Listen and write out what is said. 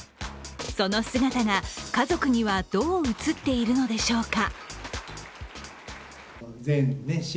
その姿が家族にはどう映っているのでしょうか。